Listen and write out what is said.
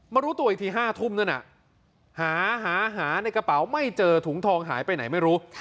รู้ตัวอีกที๕ทุ่มนั่นหาในกระเป๋าไม่เจอถุงทองหายไปไหนไม่รู้